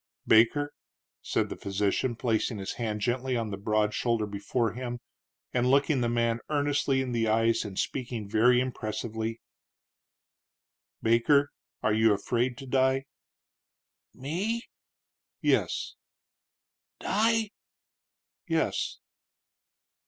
"Baker," said the physician, placing his hand gently on the broad shoulder before him, and looking the man earnestly in the eyes, and speaking very impressively "Baker, are you afraid to die?" "Me?" "Yes." "Die?" "Yes."